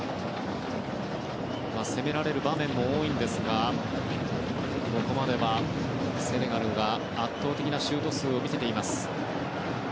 攻められる場面も多いんですがここまではセネガルが、圧倒的なシュート数を見せています。